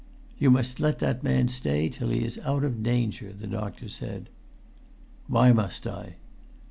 "You must let that man stay till he is out of danger," the doctor said. "Why must I?"